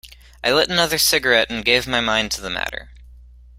I lit another cigarette and gave my mind to the matter.